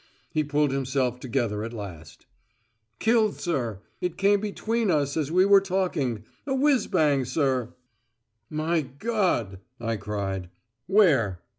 He pulled himself together at last. "Killed, sir. It came between us as we were talking. A whizz bang, sir." "My God!" I cried. "Where?"